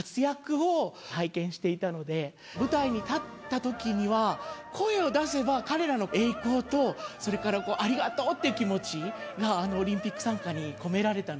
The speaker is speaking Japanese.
舞台に立ったときには声を出せば彼らの栄光とそれから「ありがとう」っていう気持ちがあの『オリンピック賛歌』に込められたので。